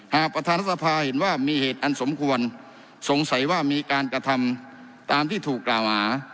หากประธานรัฐสภาเห็นว่ามีเหตุอันสมควรสงสัยว่ามีการกระทำตามที่ถูกกล่าวหา